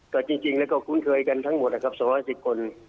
ก็จริงแล้วก็คุ้นเคยกันทั้งหมดนะครับสำหรับสิบคน